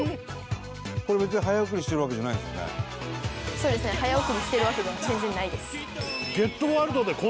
そうですね早送りしてるわけでは全然ないです。